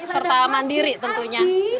serta aman diri tentunya